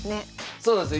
そうなんですよ。